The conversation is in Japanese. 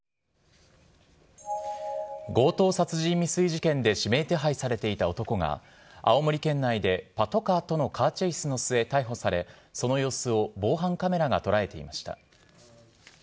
強盗殺人未遂事件で指名手配されていた男が、青森県内でパトカーとのカーチェイスの末逮捕され、その様子を防犯カメラが捉えていました。